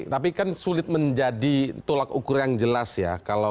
tapi kan sulit menjadi tolak ukur yang jelas ya